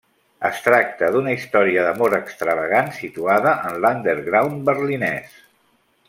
Es tracta d'una història d'amor extravagant situada en l'underground berlinès.